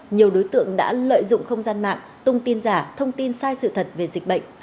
nhiều đối tượng đã lợi dụng không gian mạng tung tin giả thông tin sai sự thật về dịch bệnh